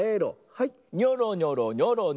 はい。